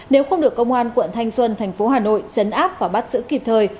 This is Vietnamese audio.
nếu không được công an quận thanh xuân thành phố hà nội chấn áp và bắt giữ kịp thời